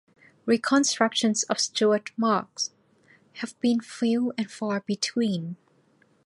Reconstructions of Stuart masques have been few and far between.